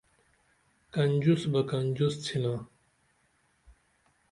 کنجوس بہ کنجوس تھینا